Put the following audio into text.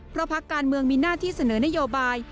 เพราะพักการเมืองมีหน้าที่เสนอนโยบาย